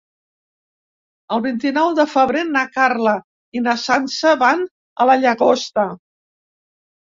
El vint-i-nou de febrer na Carla i na Sança van a la Llagosta.